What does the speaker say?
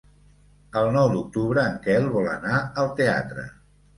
El nou d'octubre en Quel vol anar al teatre.